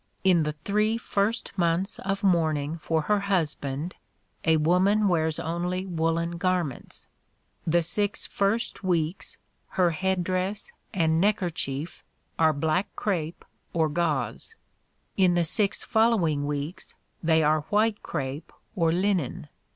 In the three first months of mourning for her husband, a woman wears only woollen garments; the six first weeks, her head dress and neck kerchief are black crape or gauze; in the six following weeks, they are white crape or linen.